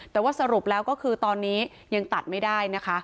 แต่ว่าสรุปแล้วก็คือตอนนี้ยังตัดไม่ได้นะคะ